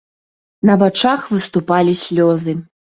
На вачах выступалі слёзы.